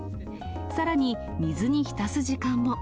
さらに、水に浸す時間も。